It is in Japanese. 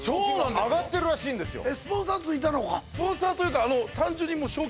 上がってるらしいんですよ